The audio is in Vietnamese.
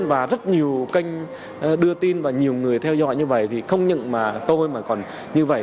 và rất nhiều kênh đưa tin và nhiều người theo dõi như vậy thì không những mà tôi mà còn như vậy